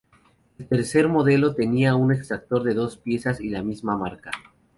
El tercer modelo tenía un extractor de dos piezas y la misma marca.